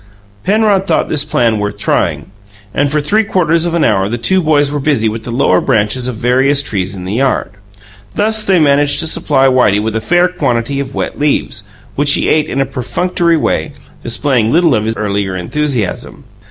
Penrod thought this plan worth trying, and for three quarters of an hour the two boys were busy with the lower branches of various trees in the yard. Thus they managed to supply Whitey with a fair quantity of wet leaves, which he ate in a perfunctory way, displaying little of his earlier enthusiasm.